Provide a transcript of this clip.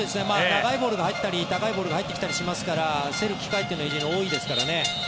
長いボールが入ったり高いボールが入ってきたりしますから競る機会というのは多いですからね。